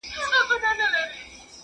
کله چې کوم څوک